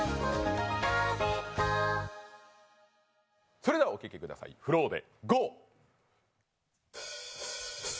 それではお聴きください、ＦＬＯＷで「ＧＯ！！！」。